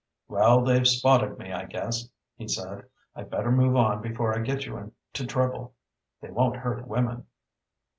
"Well, they've spotted me, I guess," he said. "I'd better move on before I get you into trouble. They won't hurt women."